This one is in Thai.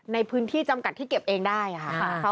ในพื้นที่จำกัดที่เก็บเองได้ค่ะ